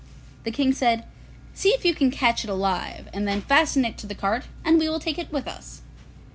The King said, 'See if you can catch it alive, and then fasten it to the cart, and we will take it with us.